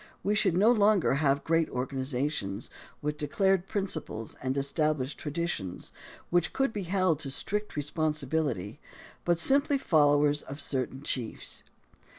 We should no longer have great organizations, with declared principles and es tabUshed traditions, which could be held to strict responsibility, but simply followers of certain chiefs.